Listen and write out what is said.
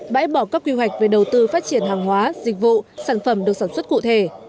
bãi bỏ các quy hoạch về đầu tư phát triển hàng hóa dịch vụ sản phẩm được sản xuất cụ thể